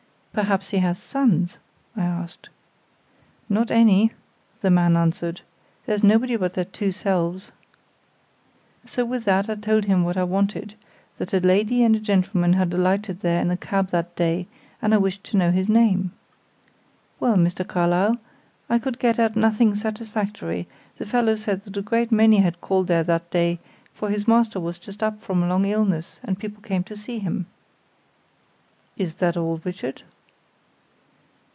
'Perhaps he has sons?' I asked. "'Not any,' the man answered; 'there's nobody but their two selves.' "So, with that, I told him what I wanted that a lady and gentleman had alighted there in a cab that day, and I wished to know his name. Well, Mr. Carlyle, I could get at nothing satisfactory; the fellow said that a great many had called there that day, for his master was just up from a long illness, and people came to see him." "Is that all, Richard?"